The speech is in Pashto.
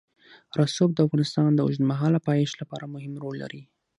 رسوب د افغانستان د اوږدمهاله پایښت لپاره مهم رول لري.